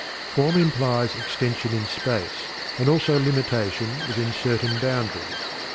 Form implies extension in space and also limitation within certain boundaries.